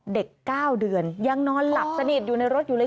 ๙เดือนยังนอนหลับสนิทอยู่ในรถอยู่เลย